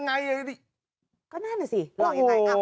การมาติดกางล่าง